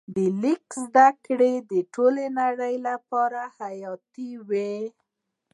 د لیک زده کړه د ټولنې لپاره حیاتي وه.